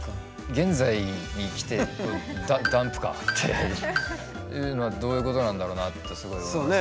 「現在」にきてる「ダンプカー」っていうのはどういうことなんだろうなってすごい思いますね。